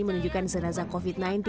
menunjukkan serasa covid sembilan belas